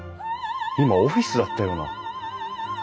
今オフィスだったような。